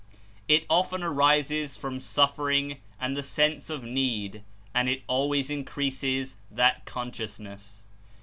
It often arises from suffering and the sense of need and it always Increases that consciousness.